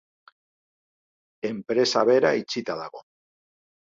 Enpresa bera itxita dago.